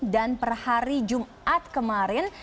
dan per hari jumat kemarin